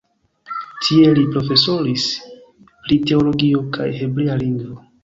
Tie li profesoris pri teologio kaj hebrea lingvo.